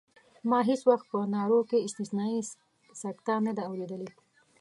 ما هېڅ وخت په نارو کې استثنایي سکته نه ده اورېدلې.